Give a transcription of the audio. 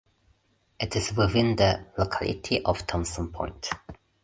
It is within the locality of Thompson Point.